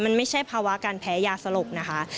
มันไม่ใช่ภาวะการแพ้ยาสลบนะคะ